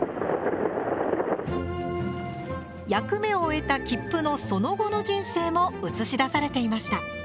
役目を終えた切符のその後の人生も映し出されていました。